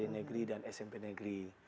negeri dan smp negeri